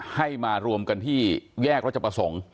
ให้มารวมกันที่แยกรัชประสงค์